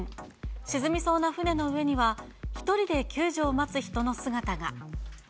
沈みそうな船の上には、１人で救助を待つ人の姿が。